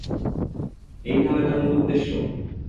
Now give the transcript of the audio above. এই তাহলে তার মূল উদ্দেশ্য!